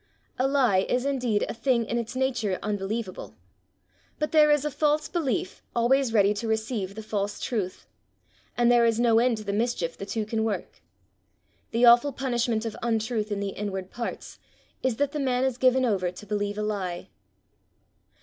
A lie is indeed a thing in its nature unbelievable, but there is a false belief always ready to receive the false truth, and there is no end to the mischief the two can work. The awful punishment of untruth in the inward parts is that the man is given over to believe a lie.